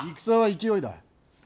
戦は勢いだ。